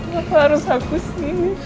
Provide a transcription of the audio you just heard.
kenapa harus aku sendiri